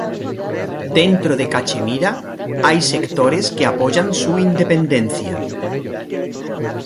Dentro de Cachemira, hay sectores que apoyan su independencia.